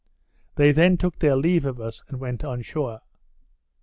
They then took their leave of us, and went on shore.